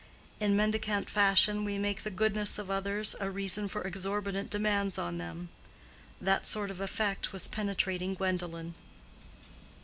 In mendicant fashion we make the goodness of others a reason for exorbitant demands on them. That sort of effect was penetrating Gwendolen.